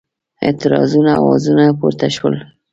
اعتراضونو آوازونه پورته شول.